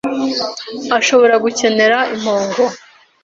Ashobora gukenera impongo